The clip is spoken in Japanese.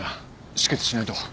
止血しないと。